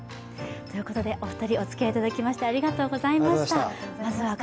お二人、おつきあいいただきましてありがとうございました。